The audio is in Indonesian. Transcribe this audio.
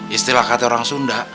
istilah kata orang sunda